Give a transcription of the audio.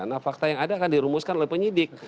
nah fakta yang ada akan dirumuskan oleh penyidik